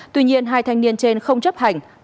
tuy nhiên hai thanh niên trên không chấp hành